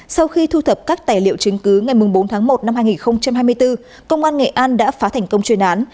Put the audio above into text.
sau khi thu thập các tài liệu chứng cứ ngày bốn tháng một năm hai nghìn hai mươi bốn công an nghệ an đã phá thành công chuyên án